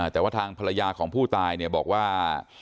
แต่ว่าทางภรรยาของผู้ตายบอกว่า